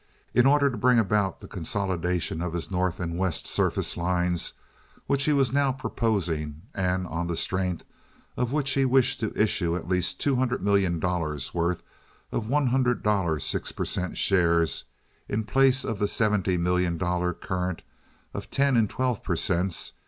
In order to bring about the consolidation of his North and West surface lines, which he was now proposing and on the strength of which he wished to issue at least two hundred million dollars' worth of one hundred dollar six per cent. shares in place of the seventy million dollars current of ten and twelve per cents.